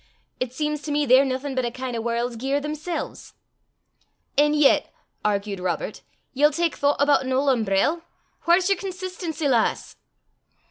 It seems to me they're naething but a kin' o' warl's gear themsel's." "An' yet," argued Robert, "ye'll tak thoucht aboot an auld umbrell? Whaur's yer consistency, lass?"